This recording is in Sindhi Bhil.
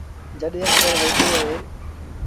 جڏهيݩ آݩدر وهيٚبو اهي۔